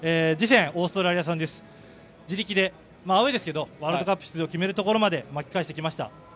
次戦、オーストラリア戦自力でワールドカップ出場を決めるところまで巻き返してきました。